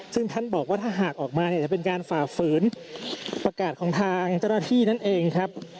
ซึ่งท่านบอกว่าถ้าหากออกมาเนี่ยจะเป็นการฝ่าฝืนประกาศของทางเจ้าหน้าที่นั่นเองครับ